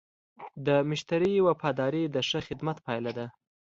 د مشتری وفاداري د ښه خدمت پایله ده.